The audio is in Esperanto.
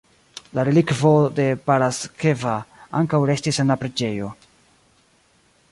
La relikvo de Paraskeva ankaŭ restis en la preĝejo.